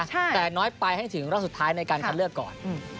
แต่น้อยไปให้ถึงรอบสุดท้ายในการคัดเลือกก่อน